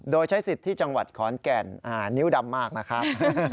โดยใช้สิทธิ์ที่จังหวัดขอนแก่นนิ้วดำมากนะครับ